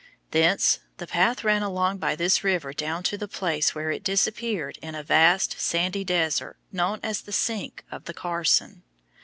Thence the path ran along by this river down to the place where it disappeared in a vast sandy desert known as the sink of the Carson.